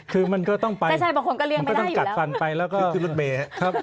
คือมันก็ต้องไปกลับฝั่นไปแล้วก็แล้วก็อย่างนี้ที่รถเมตร